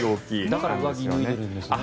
だから上着を脱いでるんですね。